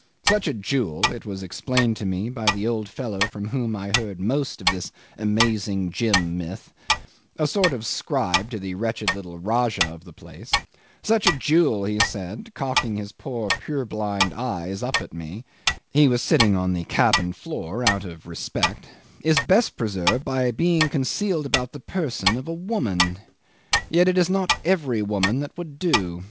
Such a jewel it was explained to me by the old fellow from whom I heard most of this amazing Jim myth a sort of scribe to the wretched little Rajah of the place; such a jewel, he said, cocking his poor purblind eyes up at me (he was sitting on the cabin floor out of respect), is best preserved by being concealed about the person of a woman. Yet it is not every woman that would do.